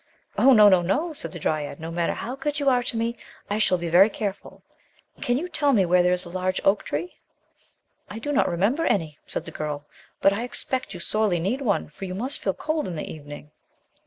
"Oh, noi no! no!" said the dryad, "no matter how good you are to me, I shall be very careful. Andean you tell me where there is a large oak tree?" "I do not remember any," said the girl, "but I expect you sorely need one for you must feel cold in the evening."